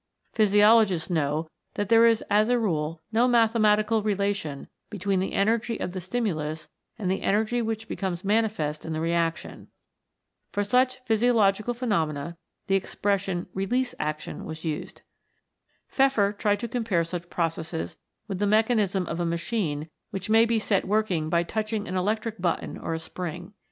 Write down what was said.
Physiologists know that there is as a rule no mathematical relation between the energy of the stimulus and the energy which becomes manifest in the reaction. For such physiological phenomena the expression Release Action was used. Pfeffer tried to compare such processes with the mechanism of a machine which may be set working by touching an electric button or a spring.